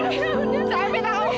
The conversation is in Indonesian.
re sebaiknya kamu pergi saja re